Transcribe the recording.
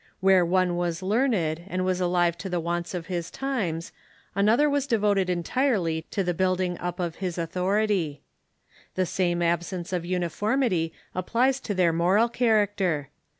Where one was learned, and was alive to the wants of his times, an other was devoted entirely to the bitilding up of Fluctuations In jj^g authority. The same absence of uniformity the Papacy * applies to their moral character.